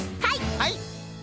はい。